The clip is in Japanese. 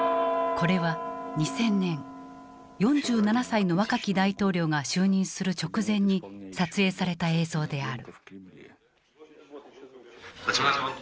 これは２０００年４７歳の若き大統領が就任する直前に撮影された映像である。